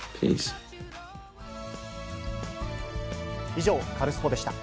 以上、カルスポっ！でした。